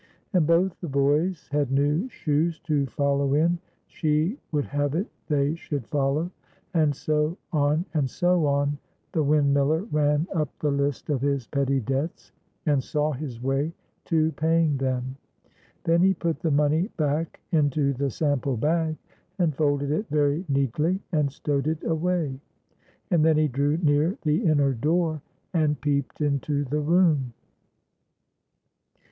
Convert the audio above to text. And both the boys had new shoes to follow in,—she would have it they should follow"— And so on, and so on, the windmiller ran up the list of his petty debts, and saw his way to paying them. Then he put the money back into the sample bag, and folded it very neatly, and stowed it away. And then he drew near the inner door, and peeped into the room.